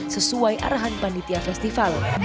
sesuai arahan panditia festival